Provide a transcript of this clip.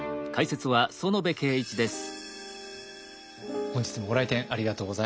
本日もご来店ありがとうございます。